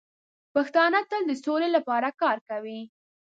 پښتانه تل د سولې لپاره کار کوي.